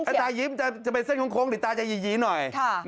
ตายิ้มจะเป็นเส้นโค้งหรือตาจะหยีหน่อย